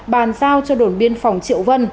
bàn giao cho đồn biên phòng triệu vân